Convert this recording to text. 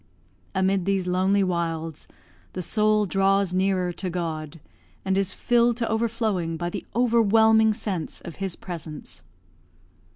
Amid these lonely wilds the soul draws nearer to God, and is filled to overflowing by the overwhelming sense of His presence.